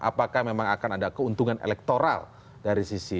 apakah memang akan ada keuntungan elektoral dari sisi